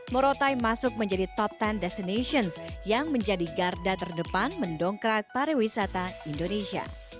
morotai masuk menjadi top sepuluh destinations yang menjadi garda terdepan mendongkrak pariwisata indonesia